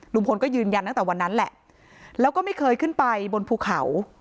ลุงพลก็ยืนยันตั้งแต่วันนั้นแหละแล้วก็ไม่เคยขึ้นไปบนภูเขา